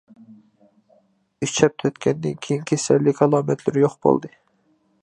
ئۈچ ھەپتە ئۆتكەندىن كېيىن كېسەللىك ئالامەتلىرى يوق بولدى.